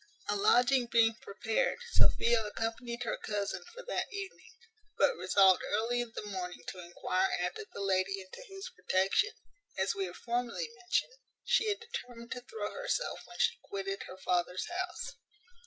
A lodging being prepared, Sophia accompanied her cousin for that evening; but resolved early in the morning to enquire after the lady into whose protection, as we have formerly mentioned, she had determined to throw herself when she quitted her father's house.